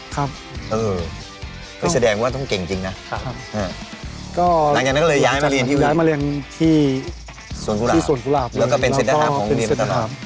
หลังจากนั้นก็เลยย้ายมาเรียนที่สวนกุหลาบเลยครับแล้วก็เป็นเซ็นต์ธาปต์ของเรียนตรฐานาภ